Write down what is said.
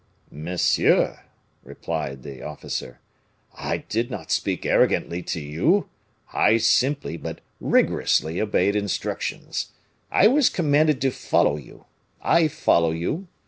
"Monsieur," replied the officer, "I did not speak arrogantly to you; I simply, but rigorously, obeyed instructions. I was commanded to follow you. I follow you.